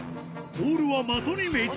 ボールは的に命中。